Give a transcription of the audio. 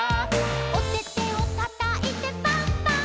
「おててをたたいてパンパンパン！！」